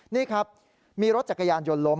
นี่ครับมีรถจักรยานยนต์ล้ม